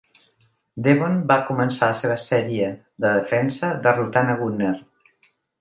Devon va començar la seva sèrie de defensa derrotant a Gunner.